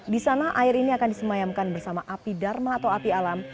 di sana air ini akan disemayamkan bersama api dharma atau api alam